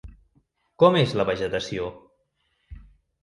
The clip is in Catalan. Com és la vegetació?